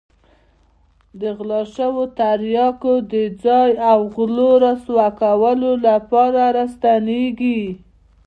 د غلا شوو تریاکو د ځای او غلو رسوا کولو لپاره را ستنېږي.